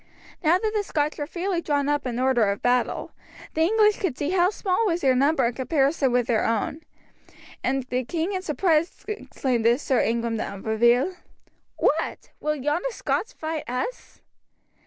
Now that the Scotch were fairly drawn up in order of battle, the English could see how small was their number in comparison with their own, and the king in surprise exclaimed to Sir Ingram de Umfraville: "What! will yonder Scots fight us?"